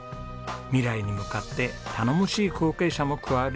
未来に向かって頼もしい後継者も加わりました。